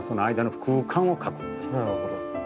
なるほど。